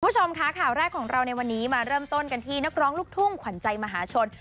คุณผู้ชมค่ะข่าวแรกของเราในวันนี้มาเริ่มต้นกันที่นักร้องลูกทุ่งขวัญใจมหาชน